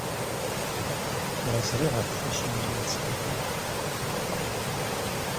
Tura ẓriɣ ɣef wacu i la yettqellib.